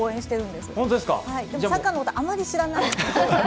でも、サッカーのことはあまり知らないので。